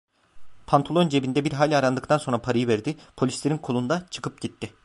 Pantolon cebinde bir hayli arandıktan sonra parayı verdi, polislerin kolunda, çıkıp gitti.